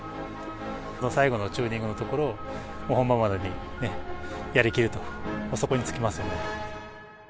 最後のチューニングのところを、本番までにやりきると、そこに尽きますよね。